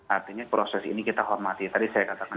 artinya proses ini kita hormati tadi saya katakan